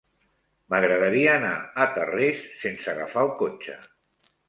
M'agradaria anar a Tarrés sense agafar el cotxe.